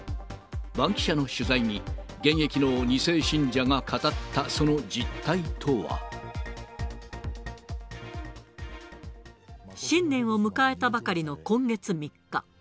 バンキシャの取材に、現役の２世信者が語ったその実態とは。新年を迎えたばかりの今月３日。